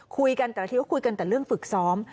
คุยกันแต่ละทีก็คุยกันแต่เรื่องฝึกซ้อม